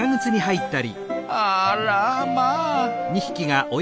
あらまあ！